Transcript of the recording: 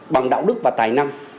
bằng đạo đức và tài năng